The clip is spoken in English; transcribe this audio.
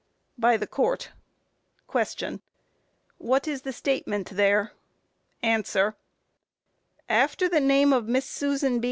By THE COURT: Q. What is the statement there? A. After the name of Miss Susan B.